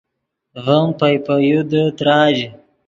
ڤیم پئے پے یو دے تراژ